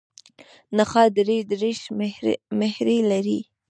نخاع درې دیرش مهرې لري.